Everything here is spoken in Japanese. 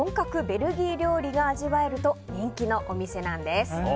ベルギー料理が味わえると人気のお店なんです。